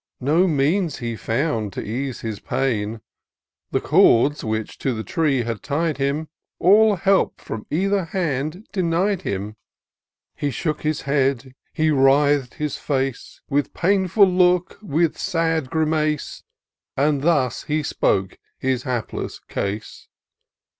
No means he found to ease his pain : The cords, which to the tree had tied him, All help from either hand denied him : He shook his head, he writh'd his face With painful look, with sad grimace. And thus he spoke his hapless case